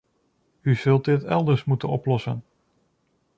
U zult dit elders moeten oplossen.